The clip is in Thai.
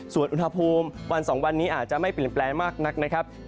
ส่วนอุณหภูมิวัน๒วันนี้อาจจะไม่เปลี่ยนแปลงมากนักนะครับ